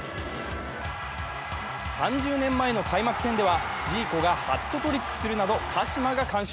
３０年前の開幕戦では、ジーコがハットトリックするなど鹿島が完勝。